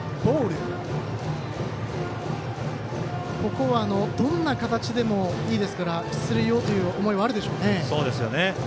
ここはどんな形でもいいですから出塁をという思いあるでしょうね。